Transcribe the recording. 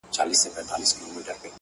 لاس تر غاړه له خپل بخت سره جوړه سوه!